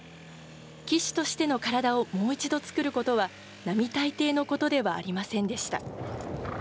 騎手としての体をもう一度作ることは、並大抵のことではありませんでした。